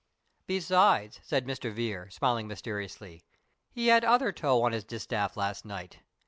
"Besides," said Mr. Vere, smiling mysteriously, "he had other tow on his distaff last night.